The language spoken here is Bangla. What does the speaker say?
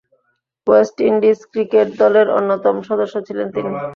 ওয়েস্ট ইন্ডিজ ক্রিকেট দলের অন্যতম সদস্য ছিলেন তিনি।